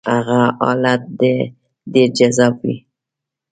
هغه حالت ډېر جذاب وي.